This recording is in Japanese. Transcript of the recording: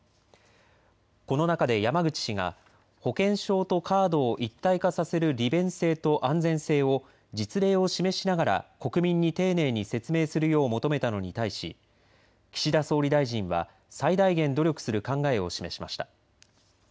この中で山口氏が保険証とカードを一体化させる利便性と安全性を実例を示しながら国民に丁寧に説明するよう求めたのに対し岸田総理大臣は最大限努力する考えを示しました。